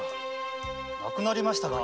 亡くなりました。